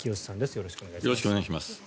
よろしくお願いします。